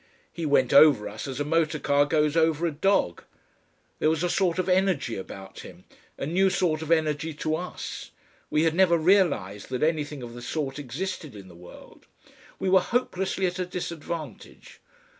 He went over us as a motor car goes over a dog. There was a sort of energy about him, a new sort of energy to us; we had never realised that anything of the sort existed in the world. We were hopelessly at a disadvantage.